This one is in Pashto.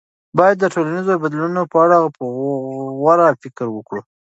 باید د ټولنیزو بدلونونو په اړه په غور فکر وکړو.